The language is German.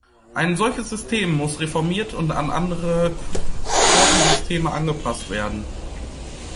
Ein solches System muss reformiert und an andere Quotensysteme angepasst werden.